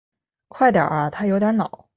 快点啊他有点恼